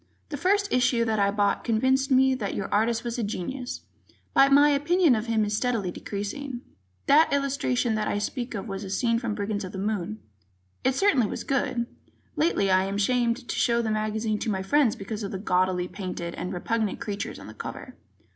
The first issue that I bought convinced me that your artist was a genius, but my opinion of him is steadily decreasing. That illustration that I speak of was a scene from "Brigands of the Moon." It certainly was good. Lately, I am ashamed to show the magazine to my friends because of the gaudily painted and repugnant creatures on the cover.